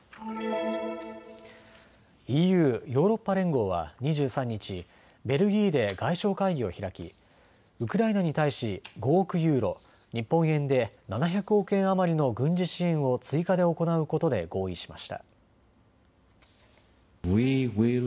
ＥＵ・ヨーロッパ連合は２３日、ベルギーで外相会議を開きウクライナに対し５億ユーロ日本円で７００億円余りの軍事支援を追加で行うことで合意しました。